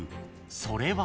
［それは］